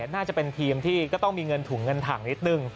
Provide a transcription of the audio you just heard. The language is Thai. น่าจะเป็นทีมที่ก็ต้องมีเงินถุงเงินถังนิดนึง